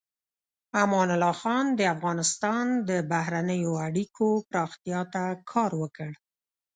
امان الله خان د افغانستان د بهرنیو اړیکو پراختیا ته کار وکړ.